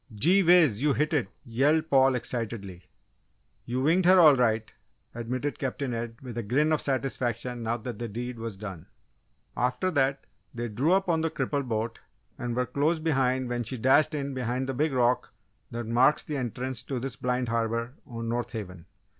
"Gee whiz! you hit it!" yelled Paul, excitedly. "You winged her all right!" admitted Captain Ed, with a grin of satisfaction now that the deed was done. After that they drew up on the crippled boat and were close behind when she dashed in behind the big rock that marks the entrance to this blind harbour on North Haven.